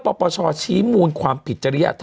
มันติดคุกออกไปออกมาได้สองเดือน